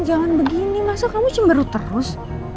jangan begini masa kamu cemberut terus